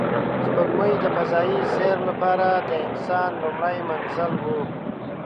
سپوږمۍ د فضایي سیر لپاره د انسان لومړی منزل و